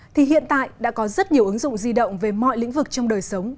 thì hiện tại đã có rất nhiều ứng dụng di động về mọi lĩnh vực trong đời sống